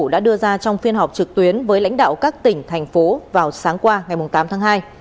đã đưa ra trong phiên họp trực tuyến với lãnh đạo các tỉnh thành phố vào sáng qua ngày tám tháng hai